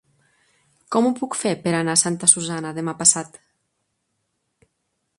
Com ho puc fer per anar a Santa Susanna demà passat?